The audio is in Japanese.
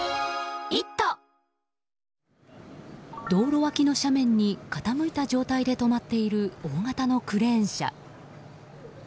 道路脇の斜面に傾いた状態で止まっている大型のクレーン車。